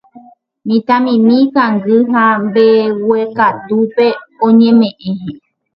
Mitãmimi ikangy ha mbeguekatúpe oñemeʼẽ.